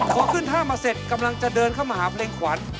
พอขึ้นท่ามาเสร็จกำลังจะเดินเข้ามาหาเพลงขวัญ